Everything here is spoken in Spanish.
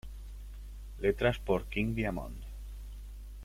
Letras por King Diamond.